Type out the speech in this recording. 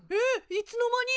いつの間に？